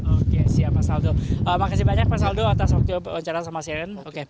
oke siap mas aldo makasih banyak mas aldo atas waktu wawancara sama cnn